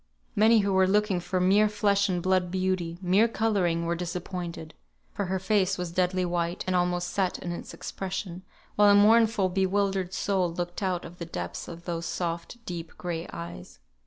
Many who were looking for mere flesh and blood beauty, mere colouring, were disappointed; for her face was deadly white, and almost set in its expression, while a mournful bewildered soul looked out of the depths of those soft, deep, gray eyes.